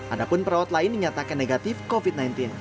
ada pun perawat lain dinyatakan negatif covid sembilan belas